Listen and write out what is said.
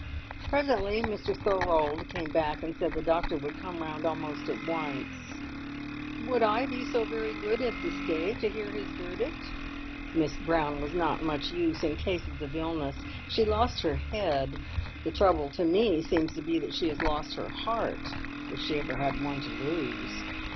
Presently Mr Thorold came back and said the doctor would come round almost at once. Would I be so very good as to stay to hear his verdict? Miss Brown was not much use in cases of illness. She lost her head. The trouble to me seems to be that she has lost her heart if she ever had one to lose!